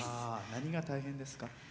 何が大変ですか？